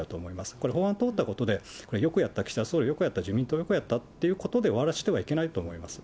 これ、法案通ったことで、よくやった、岸田総理、よくやった、自民党よくやったということで終わらせてはいけないと思います。